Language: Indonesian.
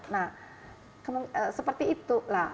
nah seperti itu lah